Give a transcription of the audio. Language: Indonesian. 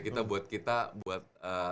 kita buat kita buat